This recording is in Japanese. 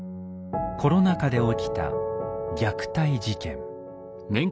コロナ禍で起きた虐待事件。